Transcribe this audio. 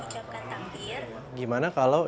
dianjurkan untuk mengucapkan takdir